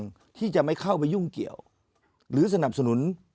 ที่จะไม่เข้าไปยุ่งเกี่ยวหรือสนับสนุน